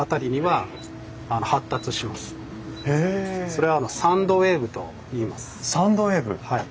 それは「サンドウェーブ」と言います。